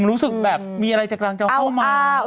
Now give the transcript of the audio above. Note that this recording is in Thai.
รู้สึกแบบมีอะไรจะกำลังจะเข้ามา